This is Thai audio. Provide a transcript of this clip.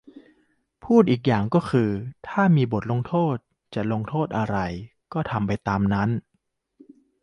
พูดอีกอย่างก็คือ ถ้ามีบทลงโทษ จะลงโทษอะไรก็ทำไปตามนั้น